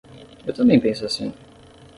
Eu também penso assim.